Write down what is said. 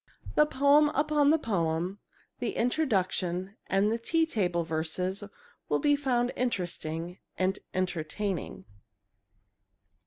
"The poem upon the poem," "The Introduction," and the "Tea Table" verses will be found interesting and entertaining.